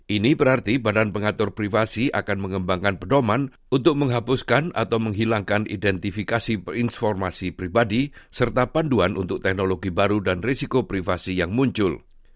ini berarti badan pengatur privasi akan mengembangkan pedoman untuk menghapuskan atau menghilangkan identifikasi informasi pribadi serta panduan untuk teknologi baru dan risiko privasi yang muncul